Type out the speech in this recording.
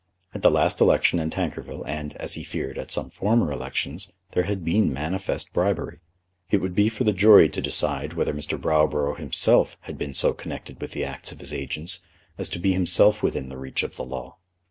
At the last election at Tankerville, and, as he feared, at some former elections, there had been manifest bribery. It would be for the jury to decide whether Mr. Browborough himself had been so connected with the acts of his agents as to be himself within the reach of the law.